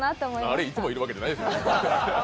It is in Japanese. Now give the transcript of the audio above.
あれ、いつもいるわけじゃないですよ。